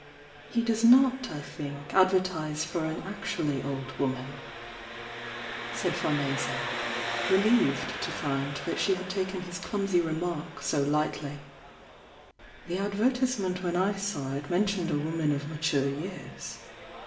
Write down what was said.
He does not, I think, advertise for an actually old woman said Farnese, relieved to find that she nad taken his clumsy remark so lightly. "The ad vertisement when I saw it mentioned a woman of mature years."